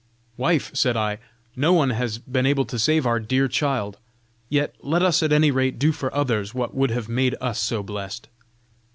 'Wife,' said I, 'no one has been able to save our dear child; yet let us at any rate do for others what would have made us so blessed.'